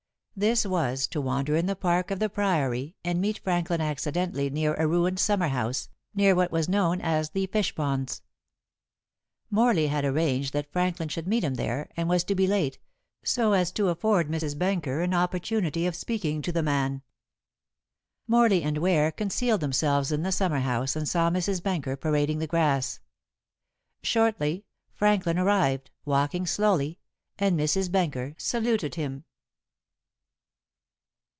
This was to wander in the park of the Priory and meet Franklin accidentally near a ruined summer house, near what was known as the fish ponds. Morley had arranged that Franklin should meet him there, and was to be late, so as to afford Mrs. Benker an opportunity of speaking to the man. Morley and Ware concealed themselves in the summer house and saw Mrs. Benker parading the grass. Shortly Franklin arrived, walking slowly, and Mrs. Benker saluted him.